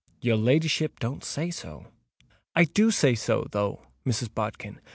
—your ladyship don't say so!" "I do say so, though, Mrs. Bodkin!"